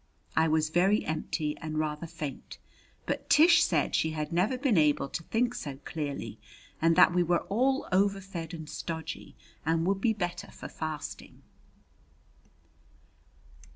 I was very empty and rather faint, but Tish said she had never been able to think so clearly, and that we were all overfed and stodgy and would be better for fasting.